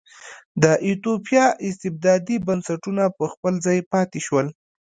د ایتوپیا استبدادي بنسټونه په خپل ځای پاتې شول.